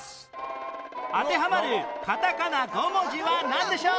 当てはまるカタカナ５文字はなんでしょう？